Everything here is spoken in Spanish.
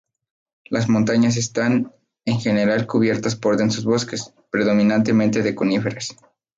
Las montañas están en general cubiertas por densos bosques, predominantemente de coníferas.